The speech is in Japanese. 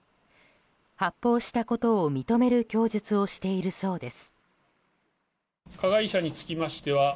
発砲したことを認める供述をしているそうです。